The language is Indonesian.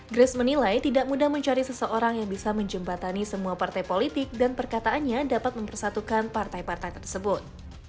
grace menilai tidak mudah mencari seseorang yang bisa menjembatani semua partai politik dan perkataannya dapat mempersatukan partai partai tersebut